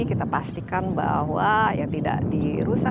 kita pastikan bahwa ya tidak dirusak